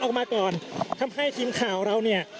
ออกมาก่อนทำให้ทีมข่าวเราเนี่ย